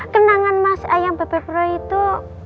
kenangan masayang bebe broi itu